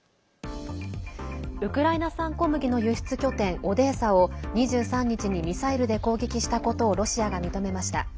ウクライナ産小麦の輸出拠点オデーサを２３日にミサイルで攻撃したことをロシアが認めました。